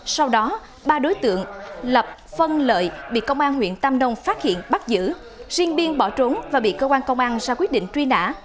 sau đó ba đối tượng lập phân lợi bị công an huyện tam đông phát hiện bắt giữ riêng biên bỏ trốn và bị cơ quan công an ra quyết định truy nã